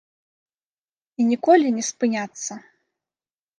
І ніколі не спыняцца.